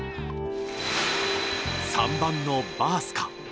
３番のバースか。